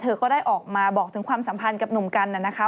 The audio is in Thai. ก็ได้ออกมาบอกถึงความสัมพันธ์กับหนุ่มกันนะคะ